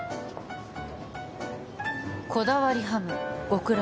「こだわりハム極楽」